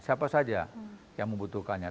siapa saja yang membutuhkannya